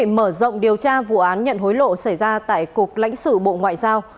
mở rộng điều tra vụ án nhận hối lộ xảy ra tại cục lãnh sự bộ ngoại giao